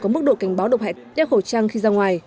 có mức độ cảnh báo độc hạch đeo khẩu trang khi ra ngoài